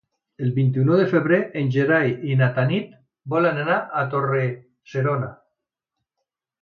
El vint-i-nou de febrer en Gerai i na Tanit volen anar a Torre-serona.